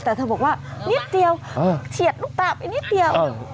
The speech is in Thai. แต่เธอบอกว่านิดเดียวเฉียดลูกตาไปนิดเดียว